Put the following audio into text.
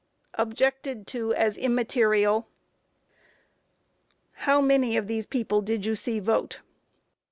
Objected to as immaterial. Q. How many of these people did you see vote?